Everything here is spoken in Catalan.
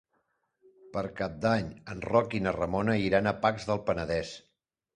Per Cap d'Any en Roc i na Ramona iran a Pacs del Penedès.